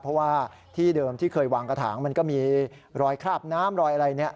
เพราะว่าที่เดิมที่เคยวางกระถางมันก็มีรอยคราบน้ำรอยอะไรเนี่ย